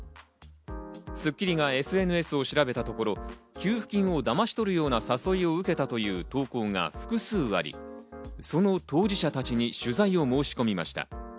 『スッキリ』がＳＮＳを調べたところ、給付金をだまし取るような誘いを受けたという投稿が複数あり、その当事者たちに取材を申し込みました。